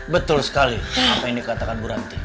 betul sekali apa yang dikatakan bu ranti